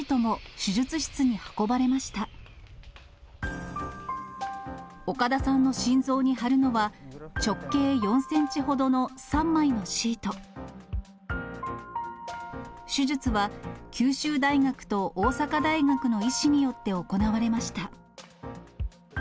手術は、九州大学と大阪大学の医師によって行われました。